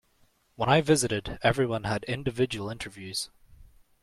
When I visited everyone had individual interviews.